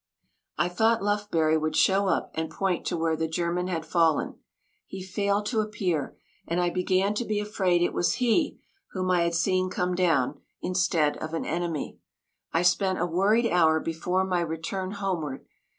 I thought Lufbery would show up and point to where the German had fallen. He failed to appear, and I began to be afraid it was he whom I had seen come down, instead of an enemy. I spent a worried hour before my return homeward.